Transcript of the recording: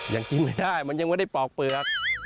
ยังกินไม่ได้มันยังไม่ได้ปอกเปลือก